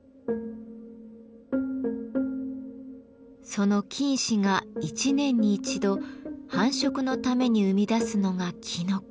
その菌糸が一年に一度繁殖のために生み出すのがきのこ。